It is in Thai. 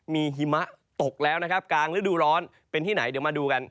มีหิมะตกแล้วนะครับกลางฤดูร้อนเป็นที่ไหนเดี๋ยวมาดูกัน